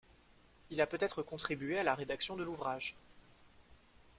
Il a peut-être contribué à la rédaction de l'ouvrage.